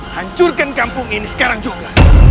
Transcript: hancurkan kampung ini sekarang juga